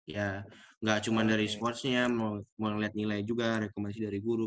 ya gak cuman dari sportsnya mau liat nilai juga rekomendasi dari guru